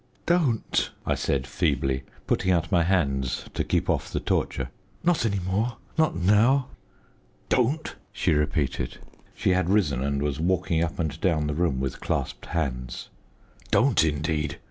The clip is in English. "Don't!" I said feebly, putting out my hands to keep off the torture; "not any more, not now." "Don't?" she repeated. She had risen and was walking up and down the room with clasped hands "don't, indeed!